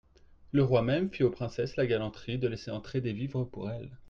Le roi même fit aux princesses la galanterie de laisser entrer des vivres pour elles.